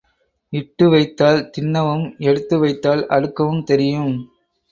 இட்டு வைத்தால் தின்னவும் எடுத்து வைத்தால் அடுக்கவும் தெரியும்.